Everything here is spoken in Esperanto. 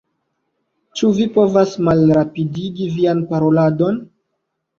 "Ĉu vi povas malrapidigi vian paroladon?"